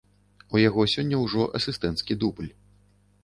У яго сёння ўжо асістэнцкі дубль.